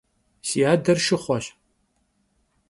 Si ader şşıxhueş.